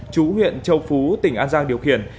chú huyện châu phú tỉnh an giang điều khiển